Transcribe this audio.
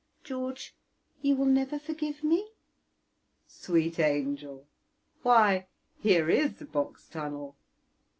George, you will never forgive me?" "Sweet angel! why, here is the Box Tunnel!"